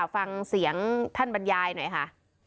ฟังเสียงท่านบรรยายหน่อยค่ะ